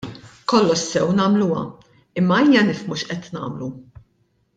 Kollox sew nagħmluha, imma ejja nifhmu x'qed nagħmlu.